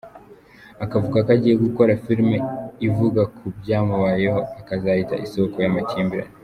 Akavuga ko agiye gukora filime ivuga ku byamubayeho akazayita ‘Isoko y’amakimbirane.